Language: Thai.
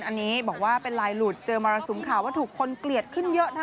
อันนี้บอกว่าเป็นลายหลุดเจอมรสุมข่าวว่าถูกคนเกลียดขึ้นเยอะนะ